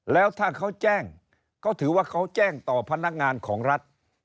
แล้วถ้าเขาแจ้งเขาถือว่าเขาแจ้งต่อพนักงานของรัฐ